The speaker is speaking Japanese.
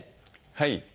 はい。